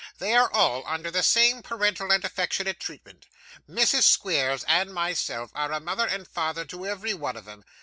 'They are all under the same parental and affectionate treatment. Mrs. Squeers and myself are a mother and father to every one of 'em.